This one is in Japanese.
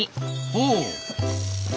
ほう！